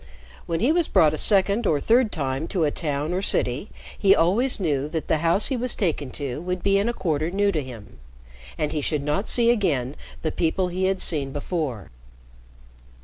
When he was brought a second or third time to a town or city, he always knew that the house he was taken to would be in a quarter new to him, and he should not see again the people he had seen before.